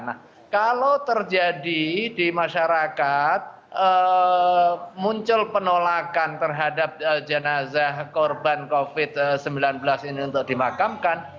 nah kalau terjadi di masyarakat muncul penolakan terhadap jenazah korban covid sembilan belas ini untuk dimakamkan